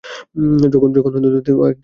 যখন দরকার ছিল, একটাও আনতে পারোনি।